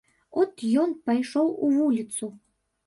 От ён пайшоў у вуліцу.